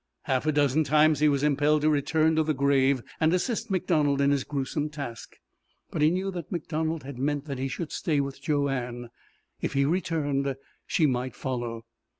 Half a dozen times he was impelled to return to the grave and assist MacDonald in his gruesome task. But he knew that MacDonald had meant that he should stay with Joanne. If he returned, she might follow.